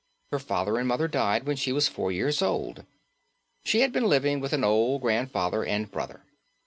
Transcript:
Her father and mother died when she was four years old. She had been living with an old grandfather and brother.